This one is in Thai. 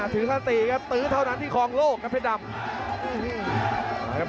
ถือสติครับตื้อเท่านั้นที่คลองโลกครับเพชรดำ